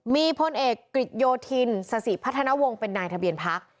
มีพลเอกกริจโยธินสสิพัฒนวงศ์เป็นนายทะเบียนพัก